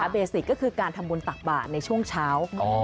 เบสิกก็คือการทำบุญตักบาทในช่วงเช้า